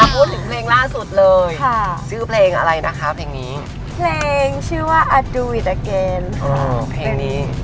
พูดถึงเพลงล่าสุดเลย